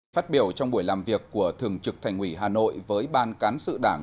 phát biểu trong buổi làm việc của thường trực thành ủy hà nội với ban cán sự đảng